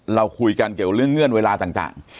เราคุยกันเกี่ยวกับเรื่องเงื่อนเวลาต่าง